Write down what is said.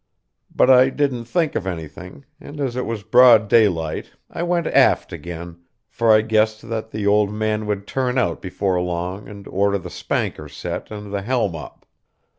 But I didn't think of anything, and as it was broad daylight I went aft again, for I guessed that the old man would turn out before long and order the spanker set and the helm up.